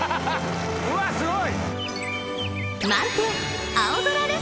うわすごい！